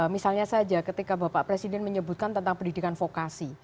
misalnya saja ketika bapak presiden menyebutkan tentang pendidikan vokasi